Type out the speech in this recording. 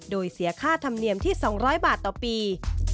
โดยเสียค่าธรรมเนียมที่๒๐๐บาทต่อปี